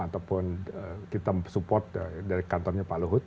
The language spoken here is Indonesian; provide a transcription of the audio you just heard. ataupun kita support dari kantornya pak luhut